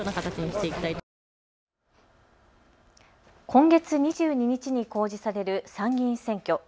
今月２２日に公示される参議院選挙。